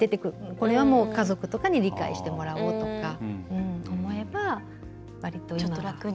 これは家族とかに理解してもらおうとか思えば割と今は。